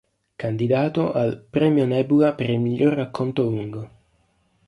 Candidato al Premio Nebula per il miglior racconto lungo.